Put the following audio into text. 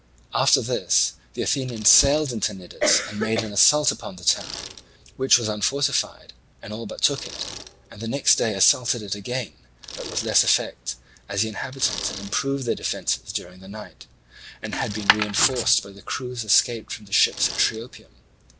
After this the Athenians sailed into Cnidus and made an assault upon the town, which was unfortified, and all but took it; and the next day assaulted it again, but with less effect, as the inhabitants had improved their defences during the night, and had been reinforced by the crews escaped from the ships at Triopium.